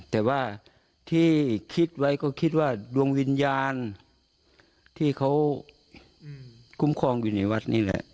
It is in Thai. แต่ว่าที่คิดไว้ก็คิดว่าดวงวิญญาณที่เขาคุ้มครองอยู่ในวัดนี่แหละ